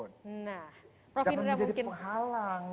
jangan menjadi penghalang